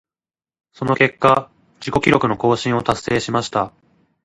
その結果、自己記録の更新を達成しました。